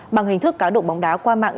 bằng hình thức cáo đụng bóng đá